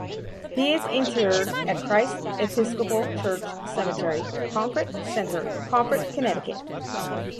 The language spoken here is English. He is interred at Christ Episcopal Church Cemetery, Pomfret Center, Pomfret, Connecticut.